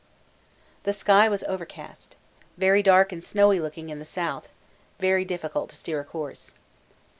The sky was overcast: very dark and snowy looking in the south very difficult to steer a course.